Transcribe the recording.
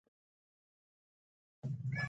مصباح الحق یو تجربه لرونکی لوبغاړی وو.